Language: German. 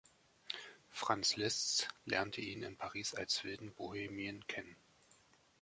Franz Liszt lernte ihn in Paris "als wilden Bohemien" kennen.